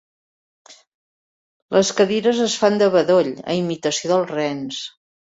Les cadires es fan de bedoll a imitació dels rens.